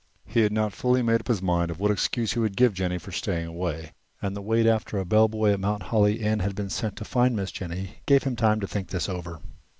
He had not fully made up his mind what excuse he would give Jennie for staying away, and the wait after a bellboy at Mount Holly Inn had been sent to find Miss Jennie gave him time to think this over.